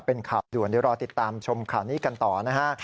เป็นข่าวด่วนเดี๋ยวรอติดตามชมข่าวนี้กันต่อนะฮะ